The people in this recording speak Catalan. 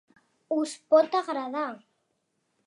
Us pot agradar.